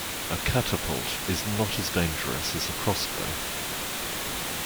A catapult is not as dangerous as a crossbow